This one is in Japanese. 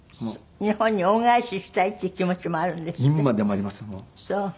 日本に恩返ししたいっていう気持ちもあるんですって？